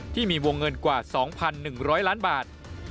ที่มีวงเงินกว่า๒๑๐๐ล้านบาท